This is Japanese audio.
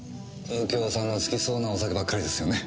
右京さんが好きそうなお酒ばっかりですよね。